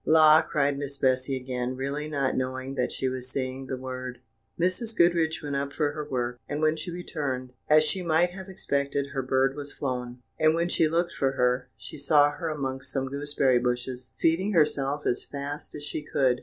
"La!" cried Miss Bessy again, really not knowing that she was saying the word. Mrs. Goodriche went up for her work, and when she returned, as she might have expected, her bird was flown; and when she looked for her, she saw her amongst some gooseberry bushes, feeding herself as fast as she could.